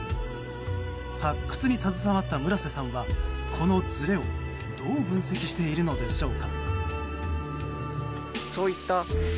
発掘に携わった村瀬さんはこのずれをどう分析しているのでしょうか。